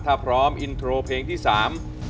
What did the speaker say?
ถ้าพร้อมอินโทรเพลงที่สาม